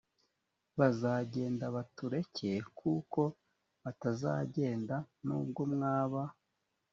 bazagenda batureke kuko batazagenda nubwo mwaba